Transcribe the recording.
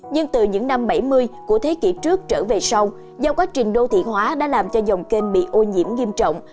nhưng từ những năm bảy mươi của thế kỷ trước trở về sau do quá trình đô thị hóa đã làm cho dòng kênh bị ô nhiễm nghiêm trọng